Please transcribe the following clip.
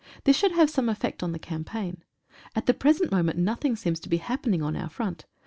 This should have some effect on the cam paign. At the present moment nothing seems to be happening on our front.